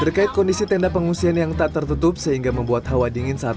terkait kondisi tenda pengungsian yang tak tertutup sehingga membuat hawa dingin saat